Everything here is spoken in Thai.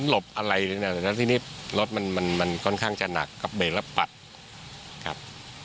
ลดอะไรรึเปล่าแล้วที่นี้รถมันค่อนข้างจะหนักกำเบรกแล้วปัดครับ